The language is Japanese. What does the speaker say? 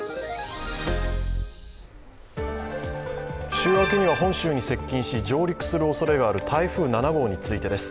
週明けには本州に接近し、上陸するおそれがある台風７号についてです。